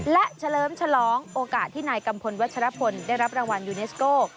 และเฉลิมฉลองโอกาสที่นายกัมพลวัชรพลได้รับรางวัลยูเนสโก้